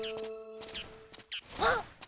あっ！